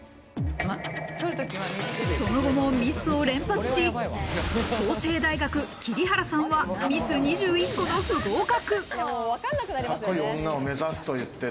その後もミスを連発し、法政大学・桐原さんはミス２１個の不合格。